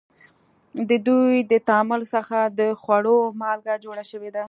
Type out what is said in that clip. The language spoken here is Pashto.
د دوی د تعامل څخه د خوړو مالګه جوړه شوې ده.